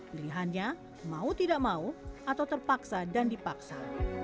pilihannya mau tidak mau atau terpaksa dan dipaksa